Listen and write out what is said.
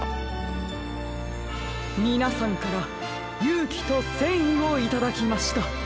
みなさんからゆうきとせんいをいただきました！